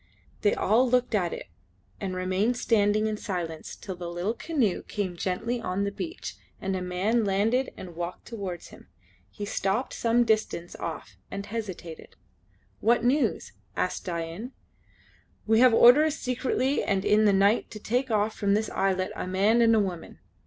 They all looked at it and remained standing in silence till the little canoe came gently on the beach and a man landed and walked towards them. He stopped some distance off and hesitated. "What news?" asked Dain. "We have had orders secretly and in the night to take off from this islet a man and a woman.